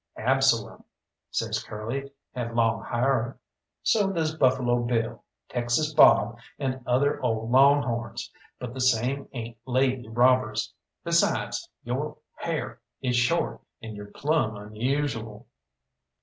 "Absalom," says Curly, "had long ha'r." "So does Buffalo Bill, Texas Bob, and other old longhorns, but the same ain't lady robbers. Besides, yo' ha'r is short, and you're plumb unusual."